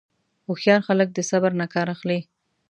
هوښیار خلک د صبر نه کار اخلي.